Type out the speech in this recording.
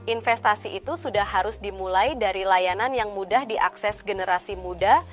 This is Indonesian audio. investasi itu sudah harus dimulai dari layanan yang mudah diakses generasi muda